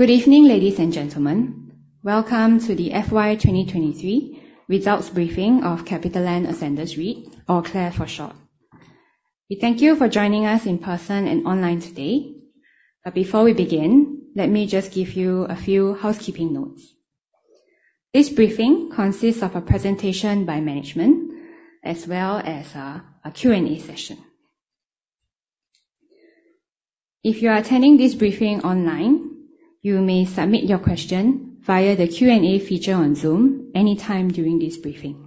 Good evening, ladies and gentlemen. Welcome to the FY 2023 results briefing of CapitaLand Ascendas REIT, or CLAR for short. We thank you for joining us in person and online today. Before we begin, let me just give you a few housekeeping notes. This briefing consists of a presentation by management as well as a Q&A session. If you are attending this briefing online, you may submit your question via the Q&A feature on Zoom anytime during this briefing.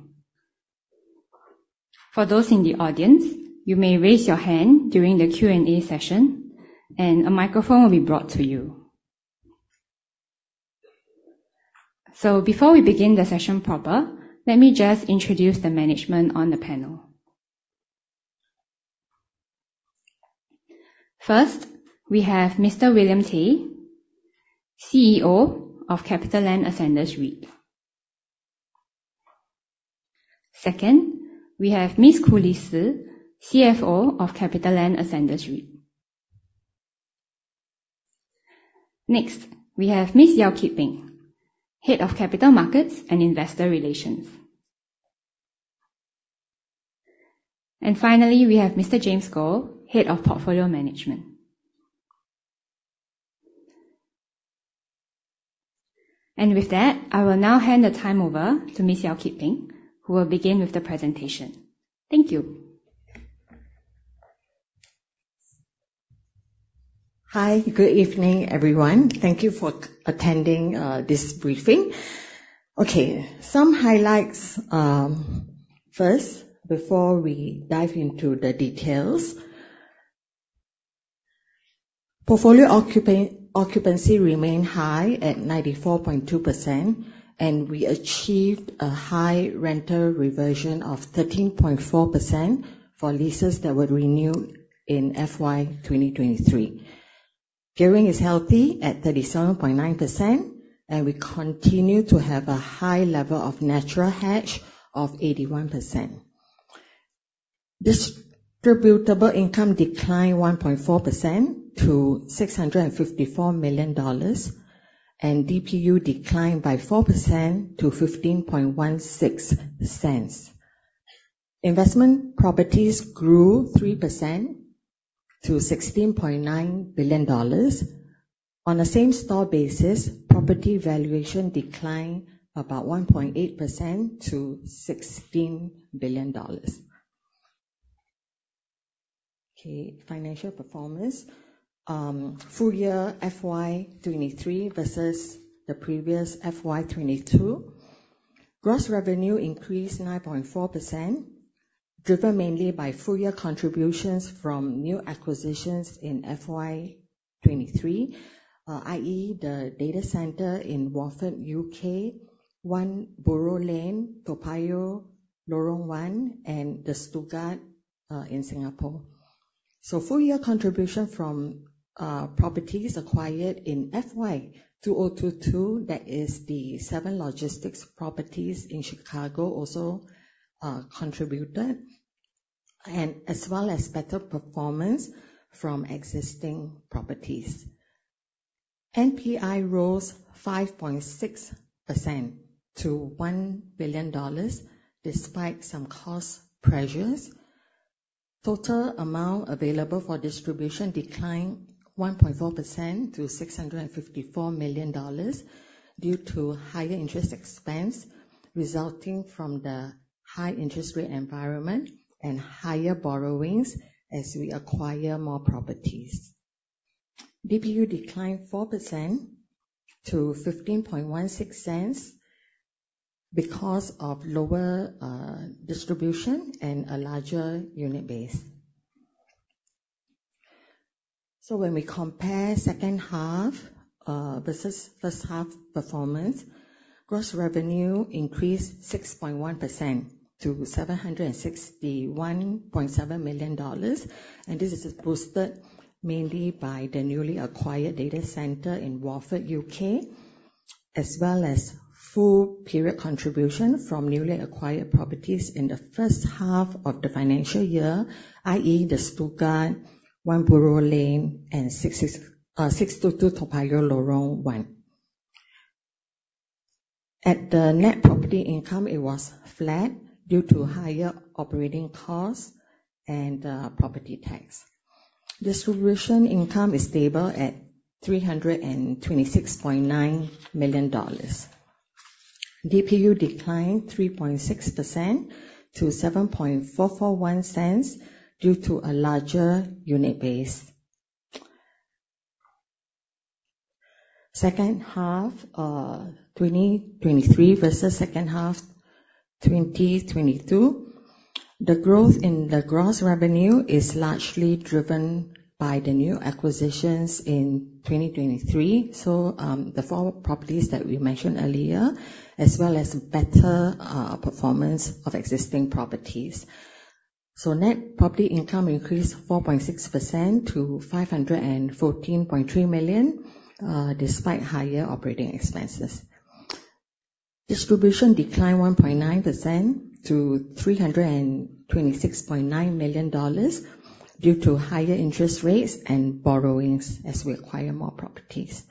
For those in the audience, you may raise your hand during the Q&A session, and a microphone will be brought to you. Before we begin the session proper, let me just introduce the management on the panel. First, we have Mr. William Tay, CEO of CapitaLand Ascendas REIT. Second, we have Ms. Koo Lee Sze, CFO of CapitaLand Ascendas REIT. Next, we have Ms. Yeow Kit Peng, Head of Capital Markets and Investor Relations. Finally, we have Mr. James Goh, Head of Portfolio Management. With that, I will now hand the time over to Ms. Yeow Kit Peng, who will begin with the presentation. Thank you. Hi. Good evening, everyone. Thank you for attending this briefing. Some highlights first, before we dive into the details. Portfolio occupancy remained high at 94.2%, and we achieved a high rental reversion of 13.4% for leases that were renewed in FY 2023. Gearing is healthy at 37.9%, and we continue to have a high level of natural hedge of 81%. Distributable income declined 1.4% to 654 million dollars, and DPU declined by 4% to 0.1516. Investment properties grew 3% to 16.9 billion dollars. On a same store basis, property valuation declined about 1.8% to SGD 16 billion. Financial performance. Full year FY 2023 versus the previous FY 2022. Gross revenue increased 9.4%, driven mainly by full year contributions from new acquisitions in FY 2023, i.e., the data center in Watford, U.K., 1 Buroh Lane, Toa Payoh, Lorong 1, and the Stuttgart in Singapore. Full year contribution from properties acquired in FY 2022, that is the 7 logistics properties in Chicago also contributed, as well as better performance from existing properties. NPI rose 5.6% to 1 billion dollars, despite some cost pressures. Total amount available for distribution declined 1.4% to 654 million dollars due to higher interest expense resulting from the high interest rate environment and higher borrowings as we acquire more properties. DPU declined 4% to SGD 0.1516 because of lower distribution and a larger unit base. When we compare second half versus first half performance, gross revenue increased 6.1% to 761.7 million dollars, and this is boosted mainly by the newly acquired data center in Watford, U.K., as well as full period contribution from newly acquired properties in the first half of the financial year, i.e., the Stuttgart, 1 Buroh Lane, and 622 Toa Payoh Lorong 1. At the Net Property Income, it was flat due to higher operating costs and property tax. Distribution income is stable at SGD 326.9 million. DPU declined 3.6% to 0.07441 due to a larger unit base. Second half 2023 versus second half 2022. The growth in the gross revenue is largely driven by the new acquisitions in 2023. The four properties that we mentioned earlier, as well as better performance of existing properties. Net Property Income increased 4.6% to 514.3 million, despite higher operating expenses. Distribution declined 1.9% to 326.9 million dollars due to higher interest rates and borrowings as we acquire more properties.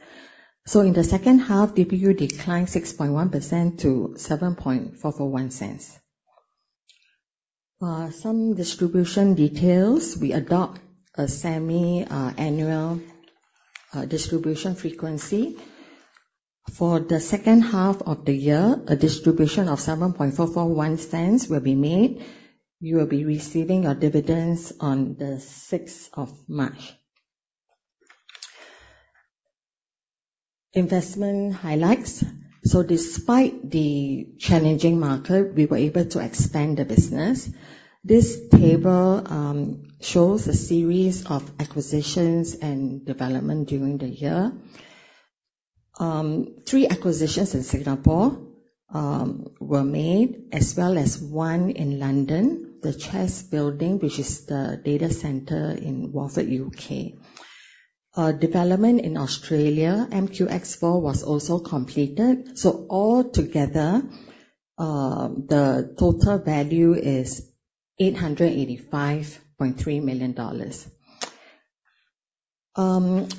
In the second half, DPU declined 6.1% to 0.07441. Some distribution details. We adopt a semi-annual distribution frequency. For the second half of the year, a distribution of 0.07441 will be made. You will be receiving your dividends on the 6th of March. Investment highlights. Despite the challenging market, we were able to expand the business. This table shows a series of acquisitions and development during the year. Three acquisitions in Singapore were made, as well as one in London, The Chess Building, which is the data center in Watford, U.K. Development in Australia, MQX4 was also completed. Altogether, the total value is SGD 885.3 million.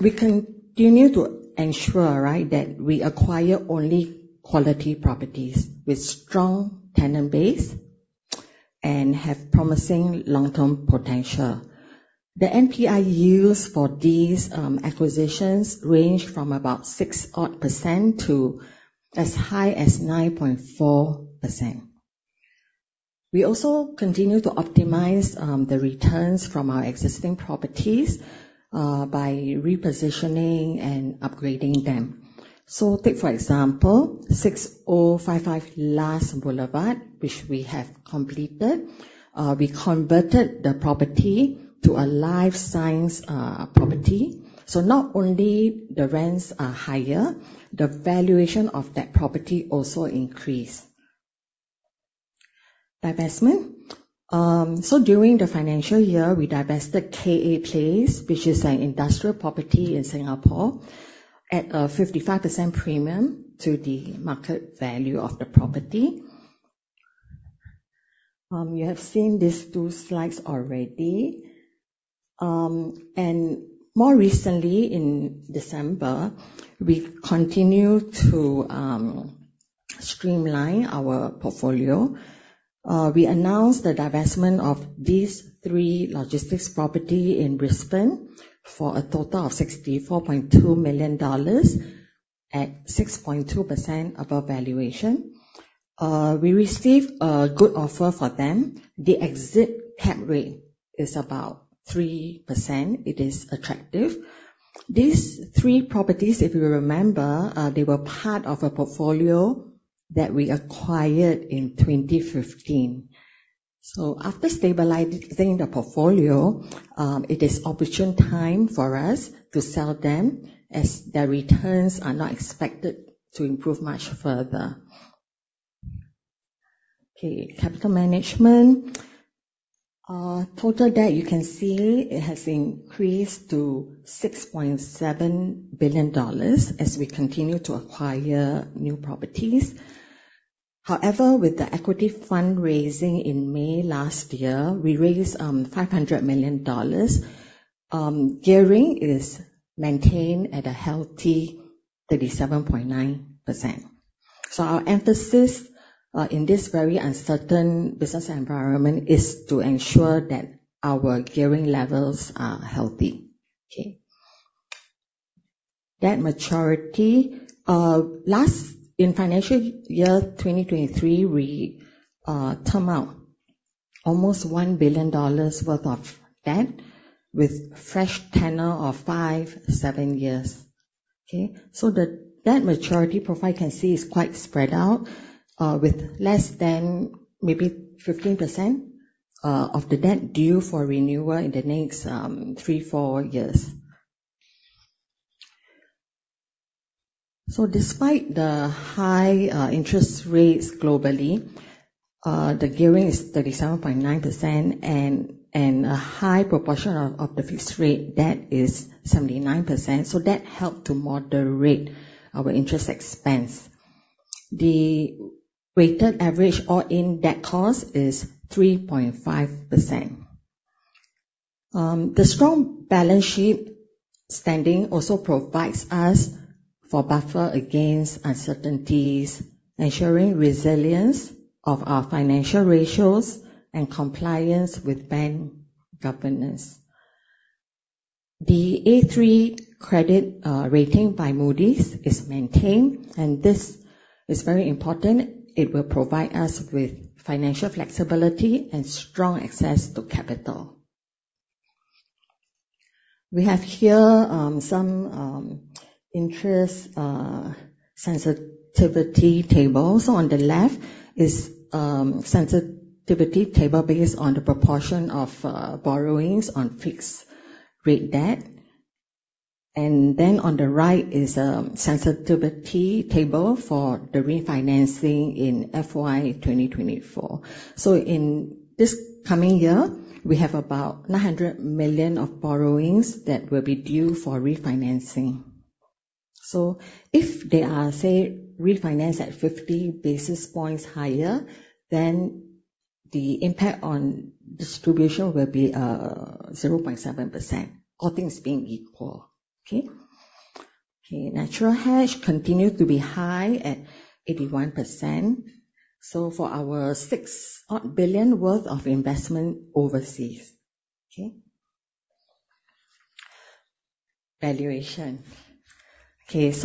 We continue to ensure that we acquire only quality properties with strong tenant base and have promising long-term potential. The NPI yields for these acquisitions range from about 6 odd percent to as high as 9.4%. We also continue to optimize the returns from our existing properties by repositioning and upgrading them. Take, for example, 6055 Lusk Boulevard, which we have completed. We converted the property to a life science property. Not only the rents are higher, the valuation of that property also increased. Divestment. During the financial year, we divested KA Place, which is an industrial property in Singapore, at a 55% premium to the market value of the property. You have seen these two slides already. More recently, in December, we've continued to streamline our portfolio. We announced the divestment of these three logistics property in Brisbane for a total of SGD 64.2 million at 6.2% above valuation. We received a good offer for them. The exit cap rate is about 3%. It is attractive. These three properties, if you remember, they were part of a portfolio that we acquired in 2015. After stabilizing the portfolio, it is opportune time for us to sell them as their returns are not expected to improve much further. Capital management. Total debt, you can see it has increased to 6.7 billion dollars as we continue to acquire new properties. However, with the equity fundraising in May last year, we raised 500 million dollars. Gearing is maintained at a healthy 37.9%. Our emphasis in this very uncertain business environment is to ensure that our gearing levels are healthy. Debt maturity. In financial year 2023, we term out almost 1 billion dollars worth of debt with fresh tenor of five, seven years. The debt maturity profile you can see is quite spread out, with less than maybe 15% of the debt due for renewal in the next three, four years. Despite the high interest rates globally, the gearing is 37.9% and a high proportion of the fixed rate debt is 79%, so that helped to moderate our interest expense. The weighted average all-in debt cost is 3.5%. The strong balance sheet standing also provides us for buffer against uncertainties, ensuring resilience of our financial ratios and compliance with bank governance. The A3 credit rating by Moody's is maintained, and this is very important. It will provide us with financial flexibility and strong access to capital. We have here some interest sensitivity tables. On the left is sensitivity table based on the proportion of borrowings on fixed rate debt. On the right is a sensitivity table for the refinancing in FY 2024. In this coming year, we have about 900 million of borrowings that will be due for refinancing. If they are, say, refinanced at 50 basis points higher, then the impact on distribution will be 0.7%, all things being equal. Natural hedge continue to be high at 81%. For our 6 odd billion worth of investment overseas. Valuation. At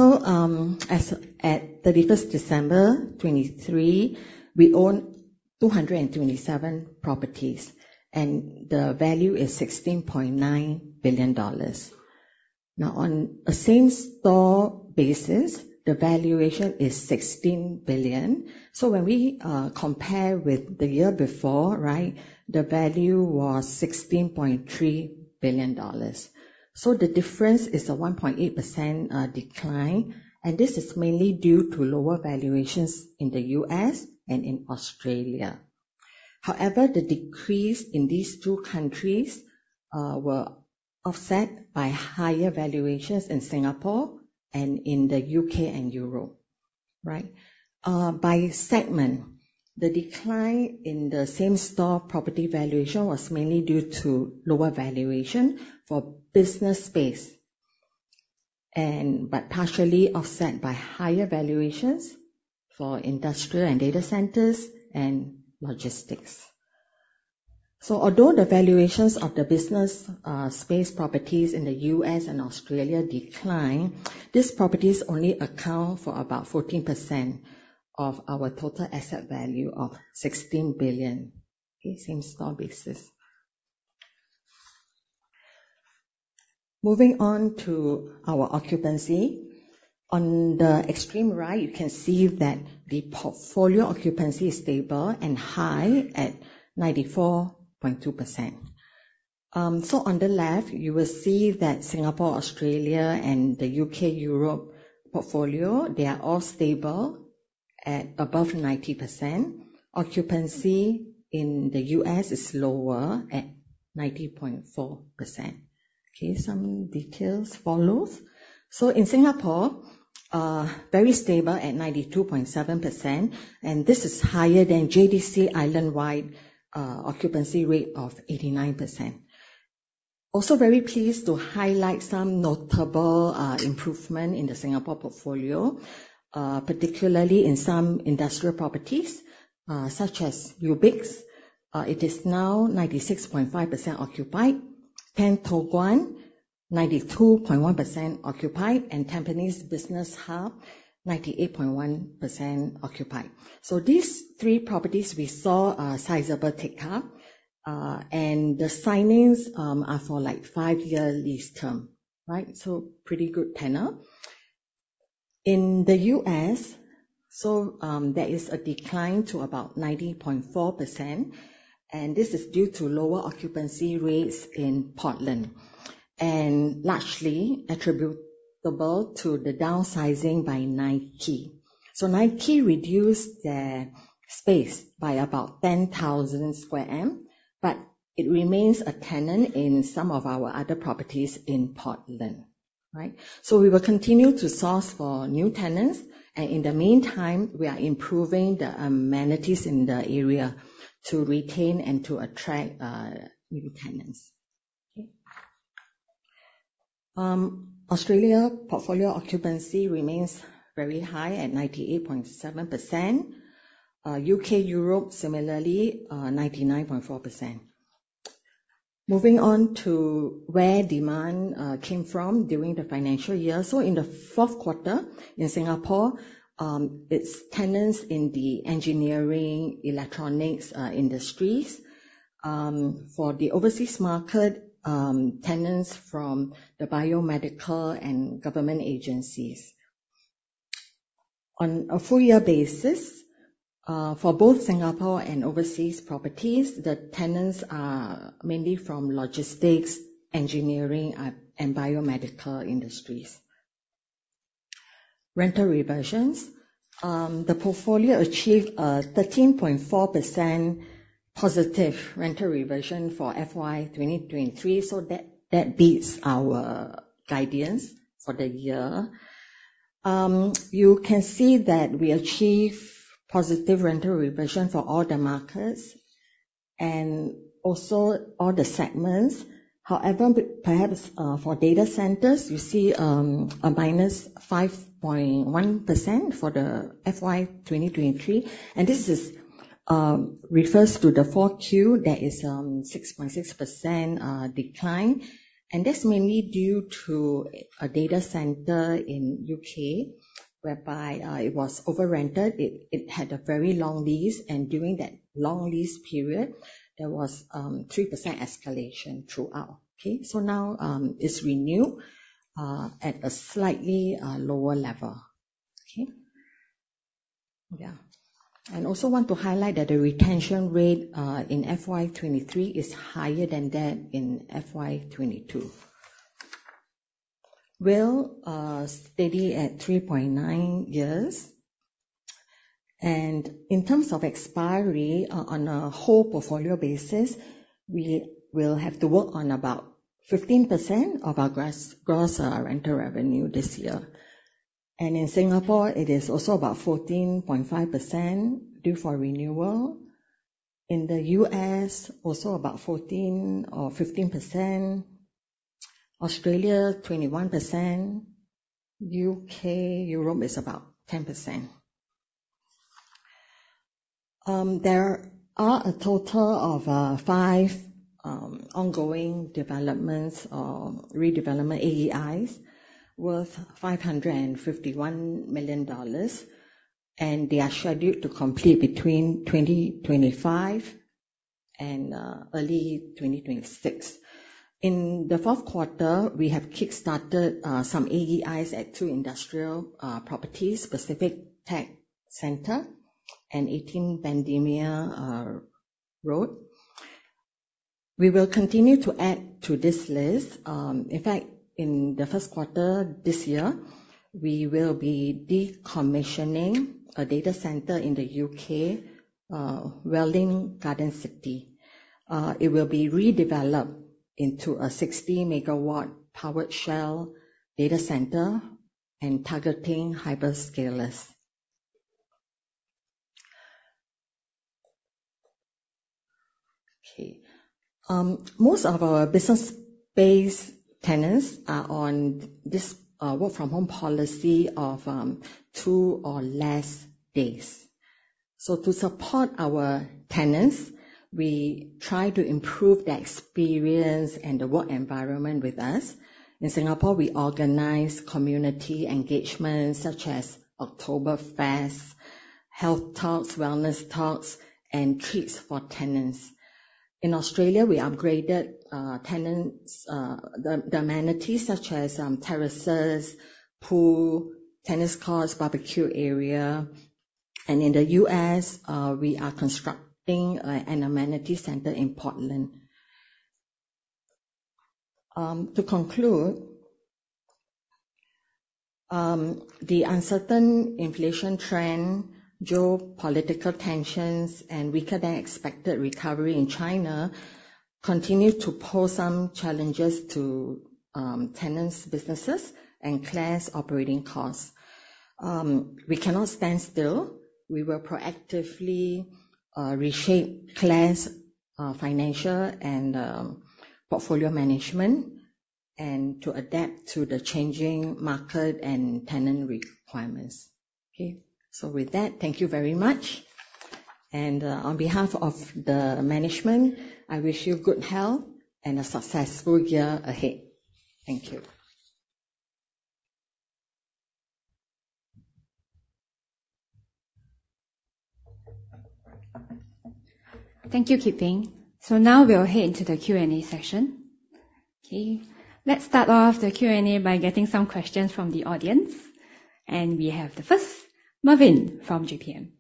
31st December 2023, we owned 227 properties, and the value is 16.9 billion dollars. Now on a same-store basis, the valuation is 16 billion. When we compare with the year before, the value was SGD 16.3 billion. The difference is a 1.8% decline, and this is mainly due to lower valuations in the U.S. and in Australia. However, the decrease in these two countries were offset by higher valuations in Singapore and in the U.K. and Europe. By segment, the decline in the same-store property valuation was mainly due to lower valuation for business space, but partially offset by higher valuations for industrial and data centers and logistics. Although the valuations of the business space properties in the U.S. and Australia declined, these properties only account for about 14% of our total asset value of 16 billion same-store basis. Moving on to our occupancy. On the extreme right, you can see that the portfolio occupancy is stable and high at 94.2%. On the left, you will see that Singapore, Australia, and the U.K., Europe portfolio, they are all stable at above 90%. Occupancy in the U.S. is lower at 90.4%. Some details follows. In Singapore, very stable at 92.7%, and this is higher than JTC island-wide occupancy rate of 89%. Also very pleased to highlight some notable improvement in the Singapore portfolio, particularly in some industrial properties such as UBIX. It is now 96.5% occupied. 10 Toh Guan, 92.1% occupied, and Tampines Business Hub, 98.1% occupied. These three properties we saw a sizable take-up, and the signings are for five-year lease term. Pretty good tenant. In the U.S., there is a decline to about 90.4%, and this is due to lower occupancy rates in Portland, and largely attributable to the downsizing by Nike. Nike reduced their space by about 10,000 sq m, but it remains a tenant in some of our other properties in Portland. We will continue to source for new tenants, and in the meantime, we are improving the amenities in the area to retain and to attract new tenants. Australia portfolio occupancy remains very high at 98.7%. U.K., Europe, similarly, 99.4%. Moving on to where demand came from during the financial year. In the fourth quarter in Singapore, it is tenants in the engineering, electronics industries. For the overseas market, tenants from the biomedical and government agencies. On a full year basis, for both Singapore and overseas properties, the tenants are mainly from logistics, engineering, and biomedical industries. Rental reversions. The portfolio achieved a 13.4% positive rental reversion for FY 2023. That beats our guidance for the year. You can see that we achieved positive rental reversion for all the markets and also all the segments. Perhaps for data centers, you see a -5.1% for the FY 2023. This refers to the fourth quarter that is 6.6% decline. That is mainly due to a data center in U.K. whereby it was overrented. It had a very long lease, and during that long lease period, there was 3% escalation throughout. Now it is renewed at a slightly lower level. Also want to highlight that the retention rate in FY 2023 is higher than that in FY 2022. WALE steady at 3.9 years. In terms of expiry on a whole portfolio basis, we will have to work on about 15% of our gross rental revenue this year. In Singapore it is also about 14.5% due for renewal. In the U.S., also about 14% or 15%. Australia, 21%. U.K., Europe is about 10%. There are a total of five ongoing developments or redevelopment AEIs worth 551 million dollars. They are scheduled to complete between 2025 and early 2026. In the fourth quarter, we have kickstarted some AEIs at two industrial properties, Pacific Tech Centre and 18 Pandan Road. We will continue to add to this list. In fact, in the first quarter this year, we will be decommissioning a data center in the U.K., Welwyn Garden City. It will be redeveloped into a 60 MW powered shell data center and targeting hyperscalers. Most of our business space tenants are on this work from home policy of two or less days. To support our tenants, we try to improve their experience and the work environment with us. In Singapore, we organize community engagement such as Oktoberfest, health talks, wellness talks, and treats for tenants. In Australia, we upgraded tenants, the amenities such as terraces, pool, tennis courts, barbecue area. In the U.S. we are constructing an amenity center in Portland. To conclude, the uncertain inflation trend, geopolitical tensions, and weaker than expected recovery in China continue to pose some challenges to tenants' businesses and CLAS operating costs. We cannot stand still. We will proactively reshape CLAS financial and portfolio management, to adapt to the changing market and tenant requirements. With that, thank you very much. On behalf of the management, I wish you good health and a successful year ahead. Thank you. Thank you, Kit Peng. Now we'll head into the Q&A session. Let's start off the Q&A by getting some questions from the audience. We have the first, Mervin from JPM.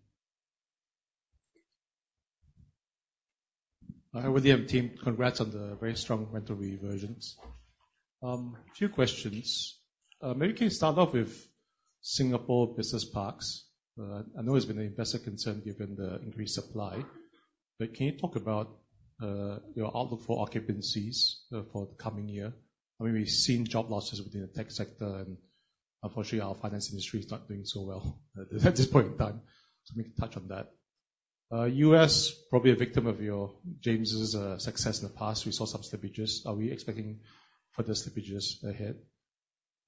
Hi, William team. Congrats on the very strong rental reversions. Two questions. Maybe can you start off with Singapore business parks? I know it's been an investor concern given the increased supply, can you talk about your outlook for occupancies for the coming year? I mean, we've seen job losses within the tech sector, unfortunately our finance industry is not doing so well at this point in time. Maybe touch on that. U.S. probably a victim of your James' success in the past. We saw some slippages. Are we expecting further slippages ahead?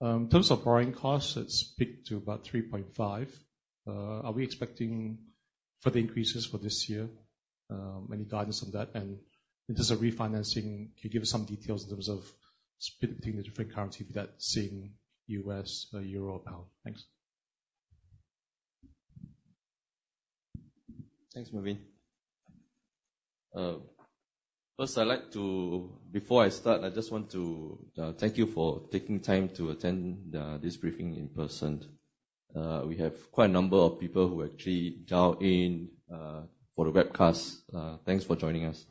In terms of borrowing costs, it's peaked to about 3.5. Are we expecting further increases for this year? Any guidance on that? In terms of refinancing, can you give us some details in terms of split between the different currency be that SGD, USD, EUR, GBP? Thanks. Thanks, Mervin. First, I'd like to thank you for taking time to attend this briefing in person. We have quite a number of people who actually dialed in for the webcast. Thanks for joining us.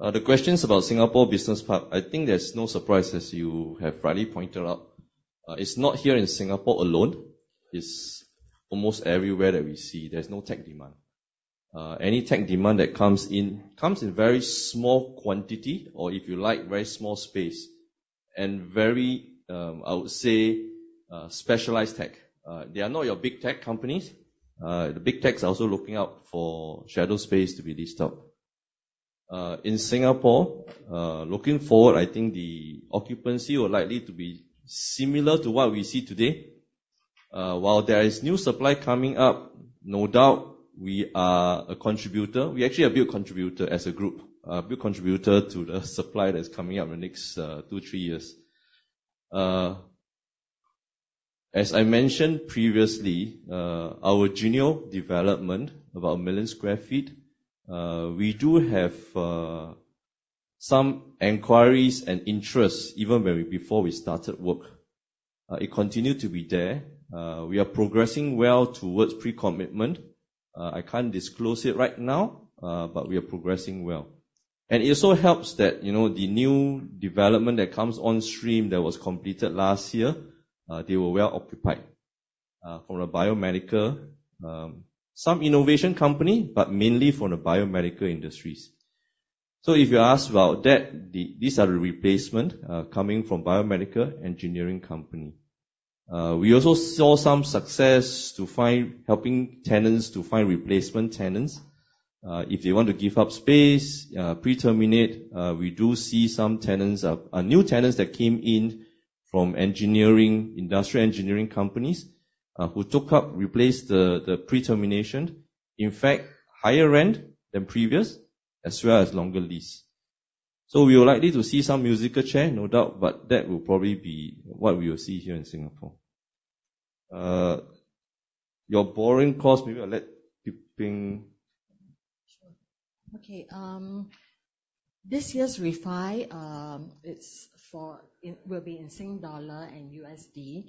The questions about Singapore business park. I think there's no surprise, as you have rightly pointed out. It's not here in Singapore alone. It's almost everywhere that we see there's no tech demand. Any tech demand that comes in, comes in very small quantity or if you like, very small space. Very, I would say, specialized tech. They are not your big tech companies. The big tech are also looking out for shadow space to be leased up. In Singapore, looking forward, I think the occupancy will likely to be similar to what we see today. While there is new supply coming up, no doubt we are a contributor. We actually a big contributor as a group. A big contributor to the supply that's coming up in the next two, three years. As I mentioned previously, our Geneo development, about 1 million sq ft, we do have some inquiries and interests, even before we started work. It continued to be there. We are progressing well towards pre-commitment. I can't disclose it right now. We are progressing well. It also helps that the new development that comes on stream that was completed last year, they were well occupied for the biomedical. Some innovation company, mainly for the biomedical industries. If you ask about that, these are the replacement coming from biomedical engineering company. We also saw some success to helping tenants to find replacement tenants. If they want to give up space, pre-terminate, we do see some new tenants that came in from industrial engineering companies, who took up, replaced the pre-termination. In fact, higher rent than previous, as well as longer lease. We are likely to see some musical chair, no doubt, but that will probably be what we will see here in Singapore. Your borrowing cost, maybe I'll let Kit Peng. Sure. Okay. This year's refi, will be in SGD and USD.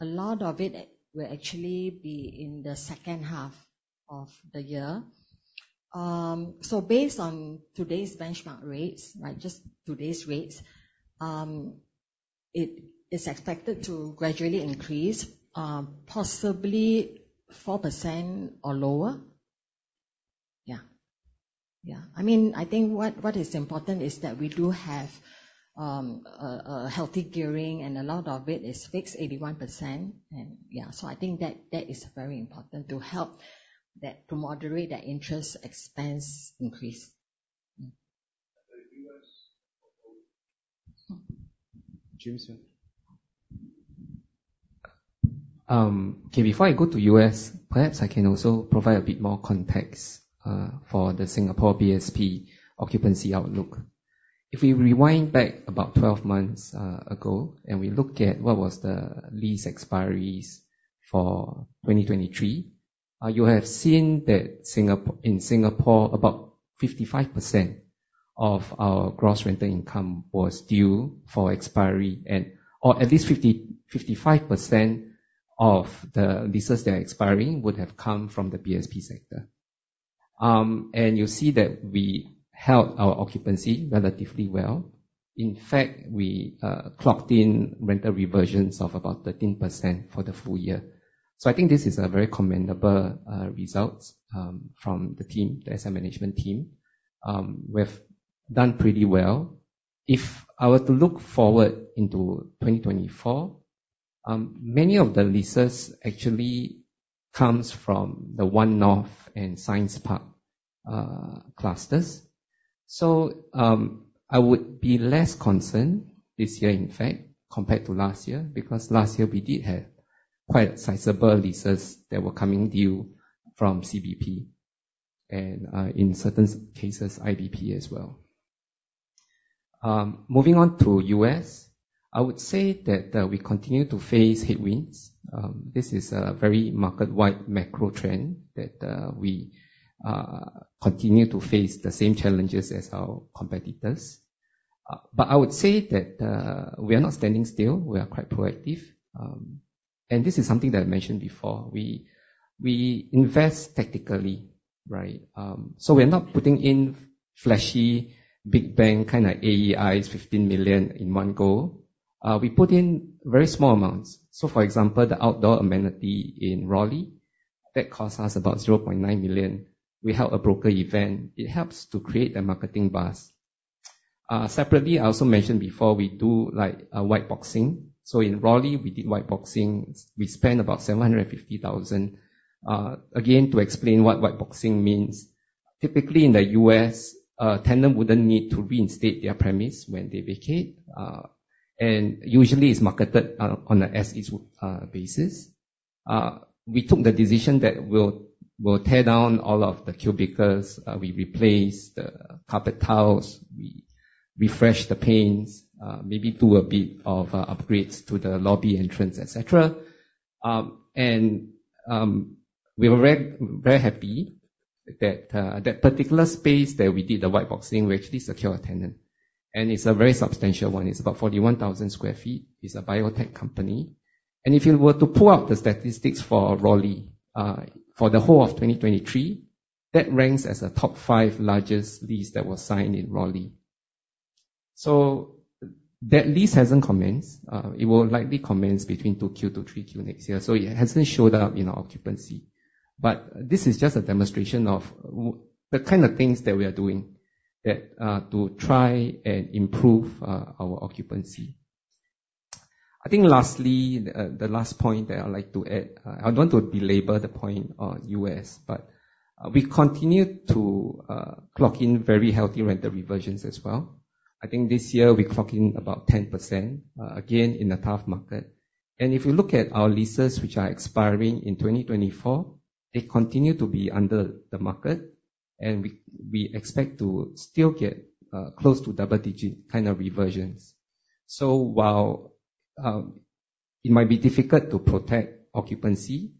A lot of it will actually be in the second half of the year. Based on today's benchmark rates, just today's rates, it is expected to gradually increase, possibly 4% or lower. I think what is important is that we do have a healthy gearing, and a lot of it is fixed 81%. I think that is very important to help to moderate that interest expense increase. The U.S. outlook? James? Okay. Before I go to U.S., perhaps I can also provide a bit more context for the Singapore BSP occupancy outlook. If we rewind back about 12 months ago, and we look at what was the lease expiries for 2023, you have seen that in Singapore, about 55% of our gross rental income was due for expiry. Or at least 55% of the leases that are expiring would have come from the BSP sector. You'll see that we held our occupancy relatively well. In fact, we clocked in rental reversions of about 13% for the full year. I think this is a very commendable result from the asset management team. We've done pretty well. If I were to look forward into 2024, many of the leases actually comes from the One-North and Science Park clusters. I would be less concerned this year, in fact, compared to last year, because last year we did have quite a sizable leases that were coming due from Changi Business Park. In certain cases, International Business Park as well. Moving on to U.S., I would say that we continue to face headwinds. This is a very market-wide macro trend that we continue to face the same challenges as our competitors. We are not standing still. We are quite proactive. This is something that I mentioned before. We invest tactically, right? We are not putting in flashy, big bang, kind of AEIs, 15 million in one go. We put in very small amounts. For example, the outdoor amenity in Raleigh, that cost us about 0.9 million. We held a broker event. It helps to create a marketing buzz. Separately, I also mentioned before, we do white boxing. In Raleigh, we did white boxing. We spent about 750,000. Again, to explain what white boxing means. Typically, in the U.S., a tenant wouldn't need to reinstate their premise when they vacate. Usually, it's marketed on an as-is basis. We took the decision that we'll tear down all of the cubicles. We replace the carpet tiles, we refresh the paints, maybe do a bit of upgrades to the lobby entrance, et cetera. We were very happy that that particular space that we did the white boxing, we actually secured a tenant. It's a very substantial one. It's about 41,000 sq ft. It's a biotech company. If you were to pull up the statistics for Raleigh, for the whole of 2023, that ranks as a top five largest lease that was signed in Raleigh. That lease hasn't commenced. It will likely commence between 2Q to 3Q 2024, so it hasn't showed up in our occupancy. This is just a demonstration of the kind of things that we are doing to try and improve our occupancy. I think lastly, the last point that I'd like to add, I don't want to belabor the point on U.S., we continue to clock in very healthy rental reversions as well. I think this year we clock in about 10%, again, in a tough market. If you look at our leases, which are expiring in 2024, they continue to be under the market, and we expect to still get close to double-digit kind of reversions. While it might be difficult to protect occupancy,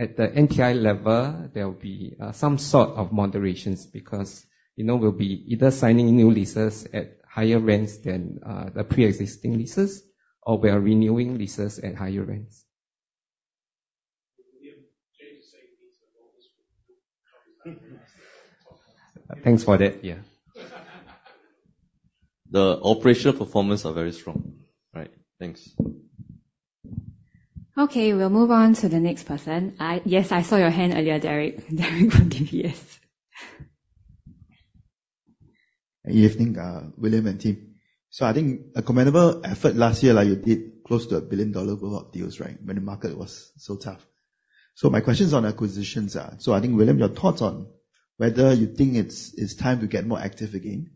at the NPI level, there will be some sort of moderations because we'll be either signing new leases at higher rents than the preexisting leases, or we are renewing leases at higher rents. Thanks for that. Yeah. The operational performance are very strong. Right. Thanks. Okay. We'll move on to the next person. Yes, I saw your hand earlier, Derek. Derek from DBS. Evening, William and team. I think a commendable effort last year, you did close to a billion-dollar worth of deals, right? When the market was so tough. My question is on acquisitions. I think, William, your thoughts on whether you think it's time to get more active again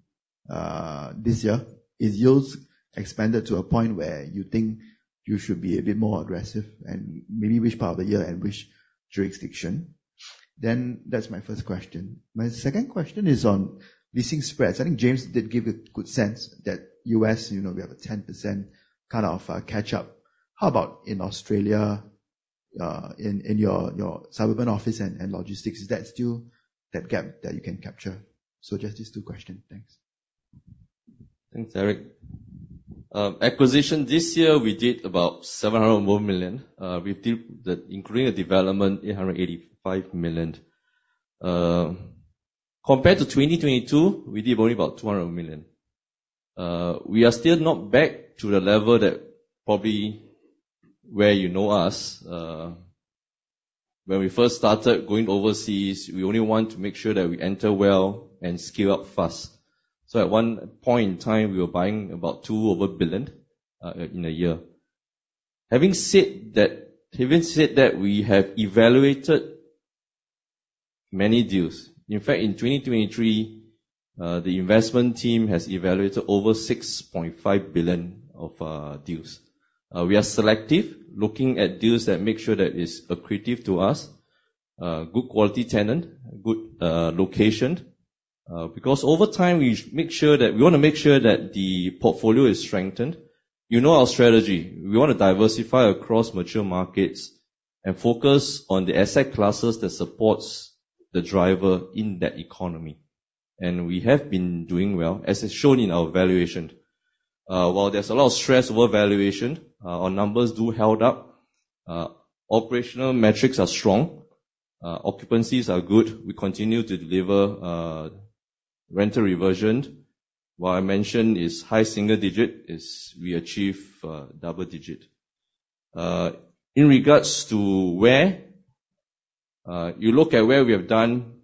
this year. Is yields expanded to a point where you think you should be a bit more aggressive, and maybe which part of the year and which jurisdiction? That's my first question. My second question is on leasing spreads. I think James did give a good sense that U.S., we have a 10% kind of a catch-up. How about in Australia, in your suburban office and logistics? Is that still that gap that you can capture? Just these two questions. Thanks. Thanks, Derek. Acquisition this year, we did about 700 more million. We did that including a development, 885 million. Compared to 2022, we did only about 200 million. We are still not back to the level that probably where you know us. When we first started going overseas, we only want to make sure that we enter well and scale up fast. At one point in time, we were buying about 2 over billion in a year. Having said that, we have evaluated many deals. In fact, in 2023, the investment team has evaluated over 6.5 billion of deals. We are selective, looking at deals that make sure that it's accretive to us. Good quality tenant, good location. Because over time we want to make sure that the portfolio is strengthened. You know our strategy. We want to diversify across mature markets and focus on the asset classes that supports the driver in that economy. We have been doing well, as is shown in our valuation. While there's a lot of stress over valuation, our numbers do hold up. Operational metrics are strong. Occupancies are good. We continue to deliver rental reversion. What I mentioned is high single digit, we achieve double digit. In regards to where you look at where we have done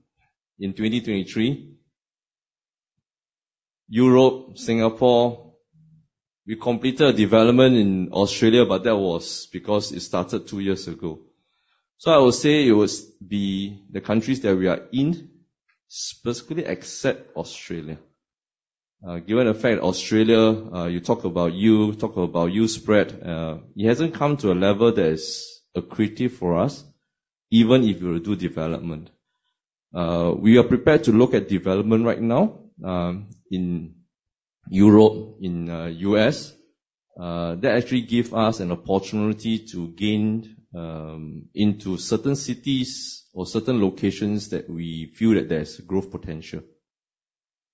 in 2023, Europe, Singapore. We completed a development in Australia, but that was because it started two years ago. I would say it would be the countries that we are in, specifically except Australia. Given the fact Australia, you talk about yield spread. It hasn't come to a level that is accretive for us, even if we were to do development. We are prepared to look at development right now in Europe, in U.S. That actually give us an opportunity to gain into certain cities or certain locations that we feel that there's growth potential.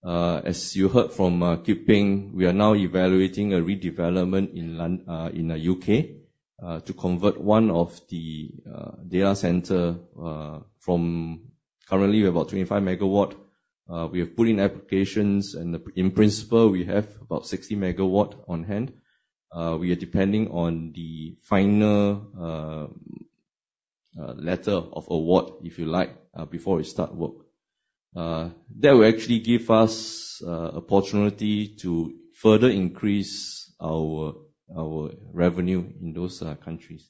As you heard from Kit Peng, we are now evaluating a redevelopment in U.K. to convert one of the data center from currently we have about 25 MW. We have put in applications and in principle, we have about 60 MW on hand. We are depending on the final letter of award, if you like, before we start work. That will actually give us opportunity to further increase our revenue in those countries.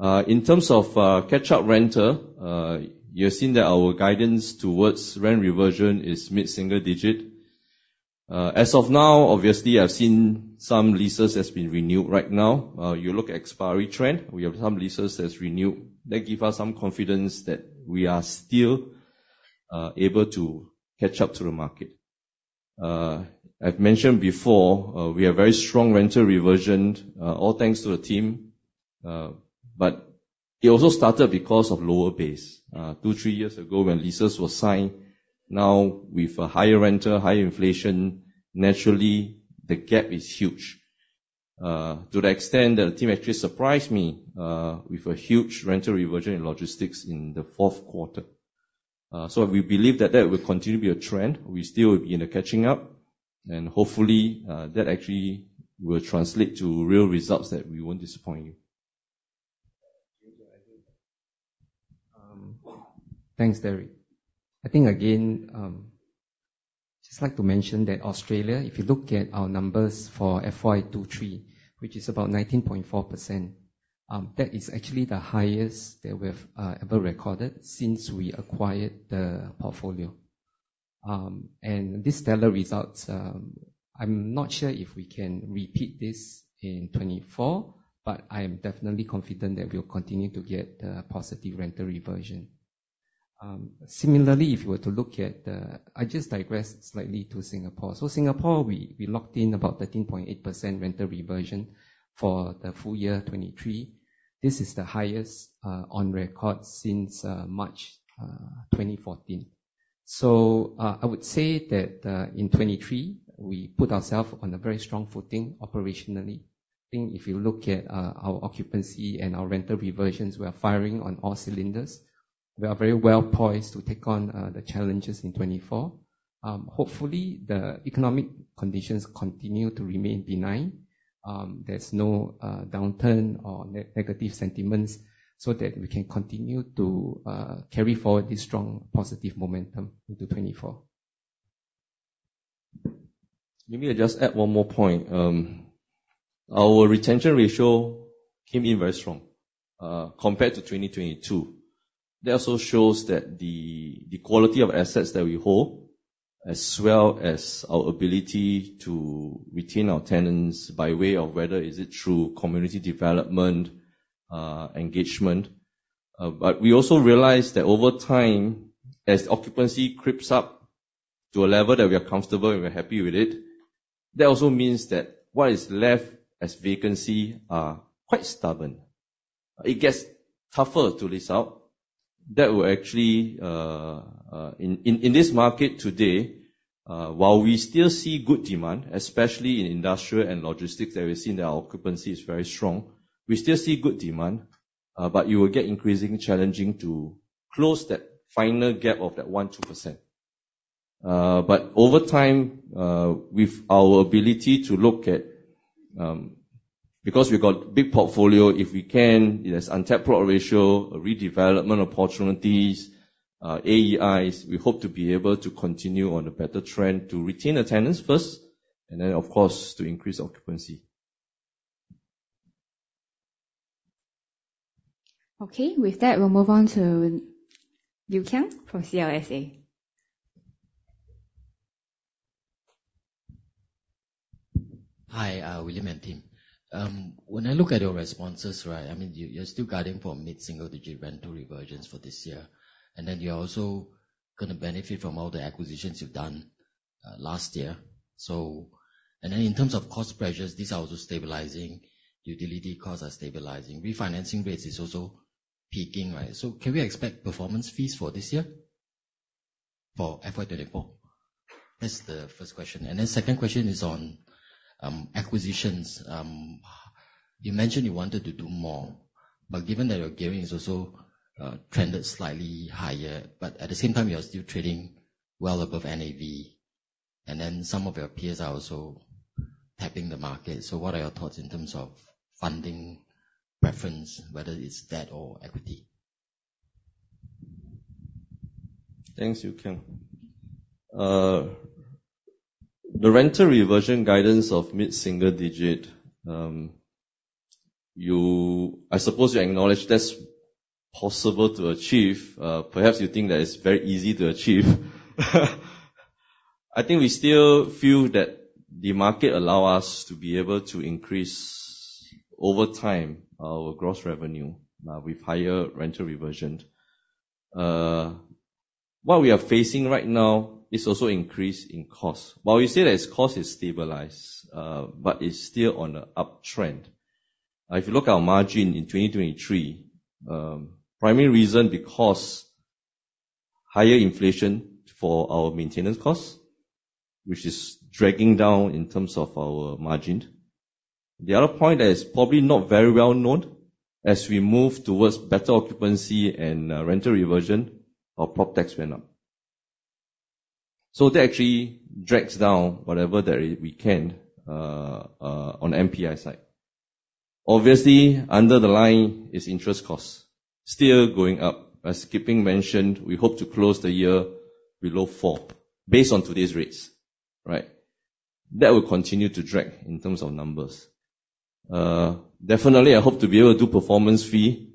In terms of catch-up rental, you have seen that our guidance towards rent reversion is mid-single digit. As of now, obviously, I've seen some leases that's been renewed right now. You look at expiry trend, we have some leases that's renewed. That give us some confidence that we are still able to catch up to the market. I've mentioned before, we have very strong rental reversion all thanks to the team. It also started because of lower base. Two, three years ago when leases were signed. Now with a higher rental, higher inflation, naturally the gap is huge. To the extent that the team actually surprised me with a huge rental reversion in logistics in the fourth quarter. We believe that that will continue to be a trend. We still will be in the catching up, and hopefully, that actually will translate to real results that we won't disappoint you. Thanks, Derek. Australia, if you look at our numbers for FY 2023, which is about 19.4%. That is actually the highest that we have ever recorded since we acquired the portfolio. This stellar results, I'm not sure if we can repeat this in 2024, but I am definitely confident that we'll continue to get a positive rental reversion. Similarly, I'll just digress slightly to Singapore. Singapore, we locked in about 13.8% rental reversion for the full year 2023. This is the highest on record since March 2014. I would say that in 2023, we put ourselves on a very strong footing operationally. If you look at our occupancy and our rental reversions, we are firing on all cylinders. We are very well poised to take on the challenges in 2024. Hopefully, the economic conditions continue to remain benign. There's no downturn or negative sentiments, so that we can continue to carry forward this strong positive momentum into 2024. Maybe I'll just add one more point. Our retention ratio came in very strong compared to 2022. That also shows that the quality of assets that we hold, as well as our ability to retain our tenants by way of whether is it through community development, engagement. We also realize that over time, as occupancy creeps up to a level that we are comfortable and we're happy with it, that also means that what is left as vacancy are quite stubborn. It gets tougher to lease out. That will actually, in this market today, while we still see good demand, especially in industrial and logistics that we've seen that our occupancy is very strong. We still see good demand, you will get increasingly challenging to close that final gap of that 1%-2%. Over time, with our ability to look at Because we got big portfolio, if we can, there's untapped plot ratio, redevelopment opportunities, AEIs. We hope to be able to continue on a better trend to retain the tenants first, and then of course, to increase occupancy. Okay. With that, we'll move on to Yew Kiang from CLSA. Hi, William and team. When I look at your responses, you are still guiding for mid-single digit rental reversions for this year. You are also going to benefit from all the acquisitions you have done last year. In terms of cost pressures, these are also stabilizing. Utility costs are stabilizing. Refinancing rates are also peaking. Can we expect performance fees for this year, for FY 2024? That is the first question. Second question is on acquisitions. You mentioned you wanted to do more. Given that your gearing is also trended slightly higher, you are still trading well above NAV. Some of your peers are also tapping the market. What are your thoughts in terms of funding preference, whether it is debt or equity? Thanks, Yu Keng. The rental reversion guidance of mid-single digit. I suppose you acknowledge that is possible to achieve. Perhaps you think that it is very easy to achieve. I think we still feel that the market allows us to be able to increase, over time, our gross revenue, with higher rental reversion. What we are facing right now is also increase in cost. While we say that cost is stabilized, it is still on an uptrend. If you look at our margin in 2023, the primary reason is because of higher inflation for our maintenance costs, which is dragging down in terms of our margin. The other point that is probably not very well-known, as we move towards better occupancy and rental reversion, our property tax went up. That actually drags down whatever that we can on the NPI side. Obviously, under the line is interest cost. Still going up. As Kiping mentioned, we hope to close the year below four, based on today's rates. That will continue to drag in terms of numbers. Definitely I hope to be able to do performance fee.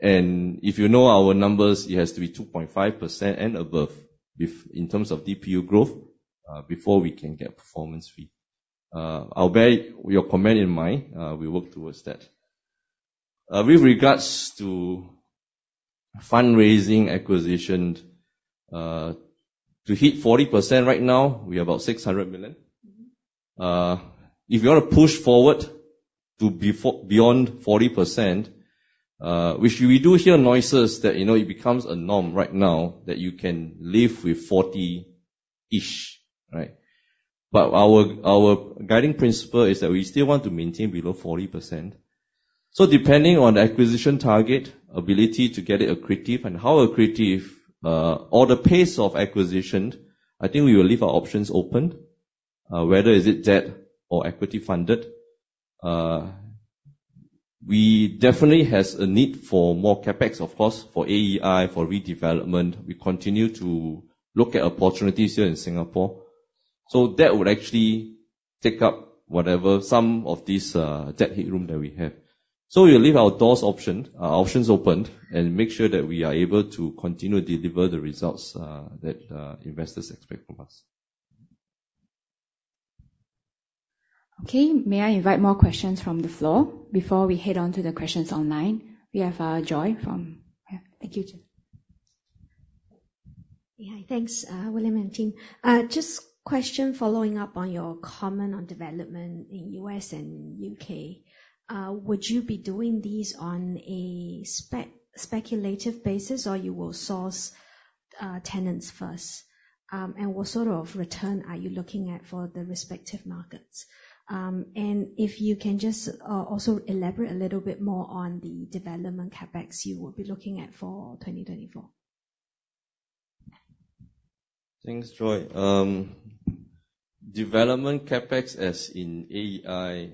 If you know our numbers, it has to be 2.5% and above in terms of DPU growth, before we can get performance fee. I will bear your comment in mind. We will work towards that. With regards to fundraising acquisition. To hit 40% right now, we are about 600 million. If you want to push forward to beyond 40%, which we do hear noises that it becomes a norm right now that you can live with 40-ish. Our guiding principle is that we still want to maintain below 40%. Depending on the acquisition target, ability to get it accretive, and how accretive, or the pace of acquisition, I think we will leave our options open. Whether it is debt or equity funded. We definitely have a need for more CapEx, of course, for AEI, for redevelopment. We continue to look at opportunities here in Singapore. That would actually take up whatever some of this debt headroom that we have. We will leave our doors options opened, and make sure that we are able to continue to deliver the results that investors expect from us. Okay. May I invite more questions from the floor before we head on to the questions online? We have Joy from. Thank you. Thanks, William and team. Question following up on your comment on development in U.S. and U.K. Would you be doing these on a speculative basis, or you will source tenants first? What sort of return are you looking at for the respective markets? If you can just also elaborate a little bit more on the development CapEx you will be looking at for 2024. Thanks, Joy. Development CapEx as in AEI.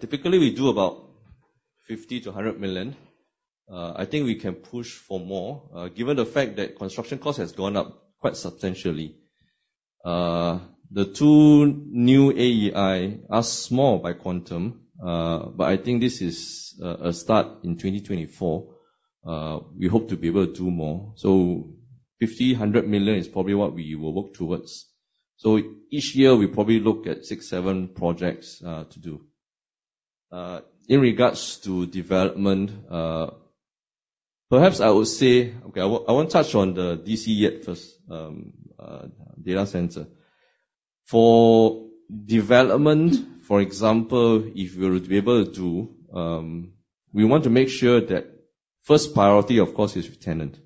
Typically we do about 50 million-100 million. I think we can push for more, given the fact that construction cost has gone up quite substantially. The two new AEI are small by quantum. I think this is a start in 2024. We hope to be able to do more. 100 million is probably what we will work towards. Each year we probably look at six, seven projects to do. In regards to development, perhaps I would say, okay, I will not touch on the DC yet first, data center. For development, for example, if we were to be able to, we want to make sure that first priority, of course, is tenant.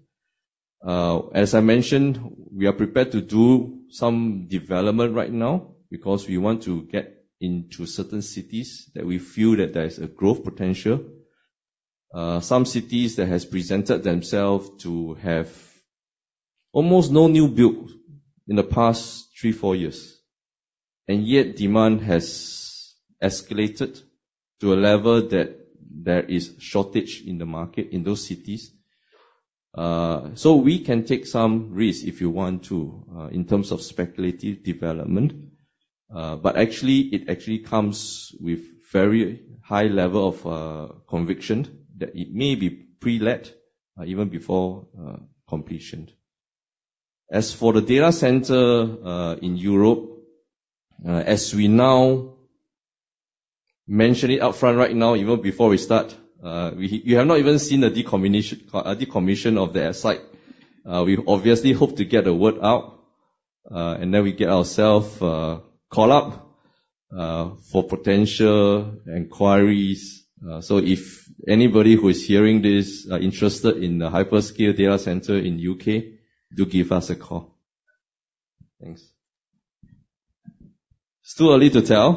As I mentioned, we are prepared to do some development right now because we want to get into certain cities that we feel that there is a growth potential. Some cities that has presented themselves to have almost no new build in the past three, four years, and yet demand has escalated to a level that there is shortage in the market in those cities. We can take some risk if you want to, in terms of speculative development. Actually, it actually comes with very high level of conviction that it may be pre-let even before completion. As for the data center in Europe, as we now mention it up front right now, even before we start, we have not even seen a decommission of their site. We obviously hope to get the word out, and then we get ourself a call up for potential inquiries. If anybody who is hearing this are interested in the hyperscale data center in U.K., do give us a call. Thanks. It's too early to tell.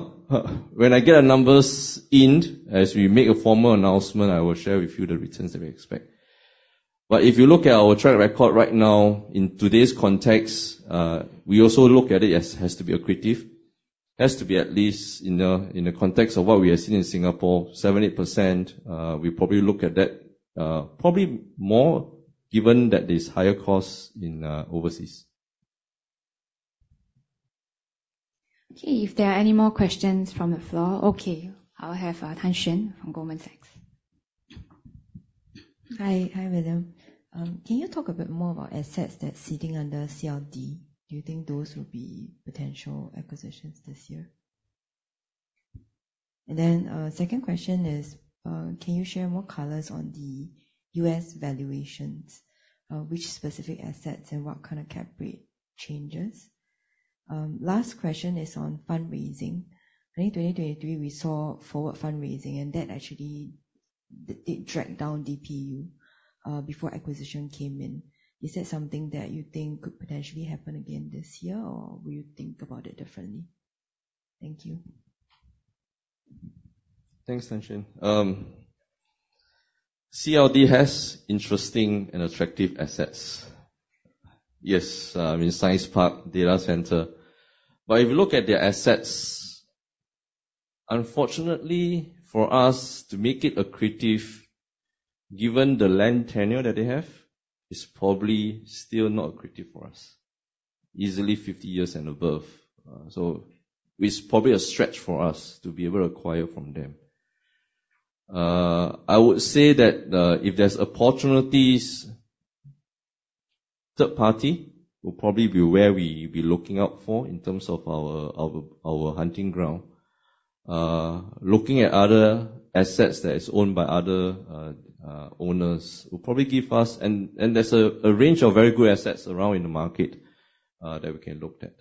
When I get the numbers in, as we make a formal announcement, I will share with you the returns that we expect. If you look at our track record right now in today's context, we also look at it as has to be accretive. Has to be, at least in the context of what we have seen in Singapore, 78%. We probably look at that probably more given that there's higher costs in overseas. Okay. If there are any more questions from the floor. I'll have Xuan Tan from Goldman Sachs. Hi, William. Can you talk a bit more about assets that's sitting under CLI? Do you think those will be potential acquisitions this year? Then second question is, can you share more colors on the U.S. valuations? Which specific assets and what kind of cap rate changes? Last question is on fundraising. In 2023, we saw forward fundraising, and that actually did drag down DPU before acquisition came in. Is that something that you think could potentially happen again this year, or will you think about it differently? Thank you. Thanks, Xuan Tan. CLI has interesting and attractive assets. Yes, I'm in Science Park Data Center. If you look at their assets, unfortunately for us to make it accretive, given the land tenure that they have, it's probably still not accretive for us. Easily 50 years and above. It's probably a stretch for us to be able to acquire from them. I would say that if there's opportunities, third party will probably be where we be looking out for in terms of our hunting ground. Looking at other assets that is owned by other owners will probably give us. There's a range of very good assets around in the market that we can look at.